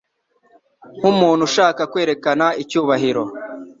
nk'umuntu ushaka kwerekana icyubahiro